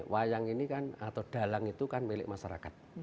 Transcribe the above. wayang ini kan atau dalang itu kan milik masyarakat